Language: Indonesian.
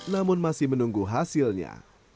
namun masih menunggu hasilnya